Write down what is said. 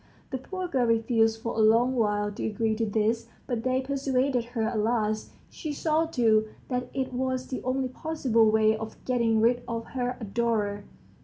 The poor girl refused for a long while to agree to this, but they persuaded her at last; she saw, too, that it was the only possible way of getting rid of her adorer.